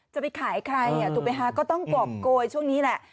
จะไปขายอย่างนี้อ่ะหนูไปหาก็ต้องกลับโกยช่วงนี้แหละ